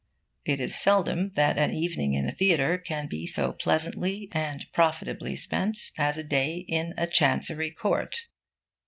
It is seldom that an evening in a theatre can be so pleasantly and profitably spent as a day in a Chancery court.